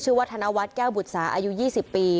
ว่าธนวัฒน์แก้วบุษาอายุ๒๐ปี